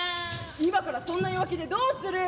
今からそんな弱気でどうする？